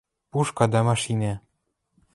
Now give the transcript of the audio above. Пушка дӓ машинӓ